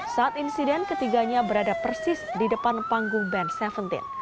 saat insiden ketiganya berada persis di depan panggung band tujuh belas